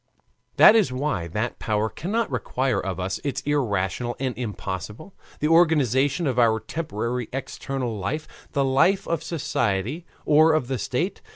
That is why that Power cannot require of us what is irrational and impossible: the organization of our temporary external life, the life of society or of the state.